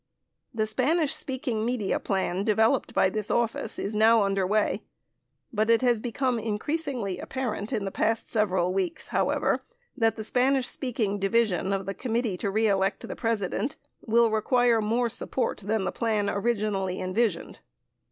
The Spanish speaking media plan developed by this office is now underway, but it has become increasingly apparent in the past several weeks, however, that the Spanish speaking division of the Committee to Re Elect the President will re quire more support than the plan originally envisioned.